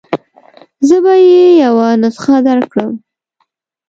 زه به يې یوه نسخه درکړم.